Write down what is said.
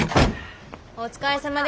お疲れさまです。